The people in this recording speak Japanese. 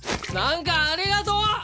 なんかありがとう！